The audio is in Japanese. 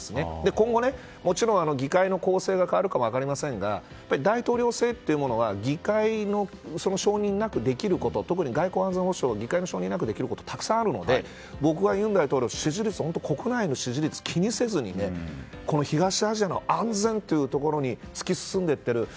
今後、もちろん議会の構成が変わるか分かりませんが大統領制というものは議会の承認なくできること特に外交・安全保障は議会の承認なくできることがたくさんあるので僕は尹大統領は国内の支持率、気にせずに東アジアの安全というものに突き進んでいっている。